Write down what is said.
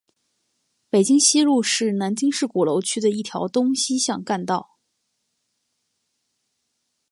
北京西路是南京市鼓楼区的一条东西向干道。